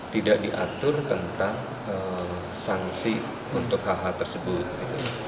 tidak diatur tentang sanksi untuk hal hal tersebut gitu